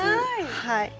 はい。